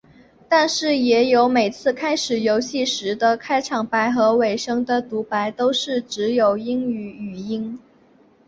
但也有每次开始游戏时的开场白和尾声的读白都是只有英语语音。